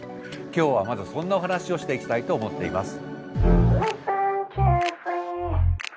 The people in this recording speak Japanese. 今日はまずそんなお話をしていきたいと思っています。